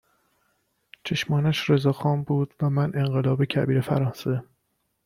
چشمانش رضا خان بود و من انقلاب کبیر فرانسه